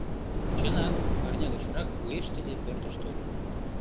Чынак, арня гычрак уэш тиде пӧртыш тольо.